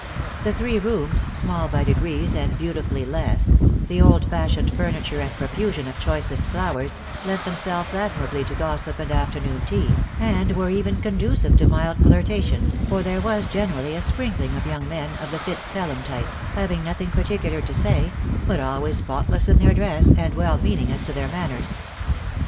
The three rooms — small by degrees and beautifully less — the old fashioned furniture and profusion of choicest flowers — lent themselves admirably to gossip and afternoon tea, and were even conducive to mild flirtation, for there was generally a sprinkling of young men of the FitzPelham type — having nothing particular to say, but always faultless in their dress, and well meaning as to their manners.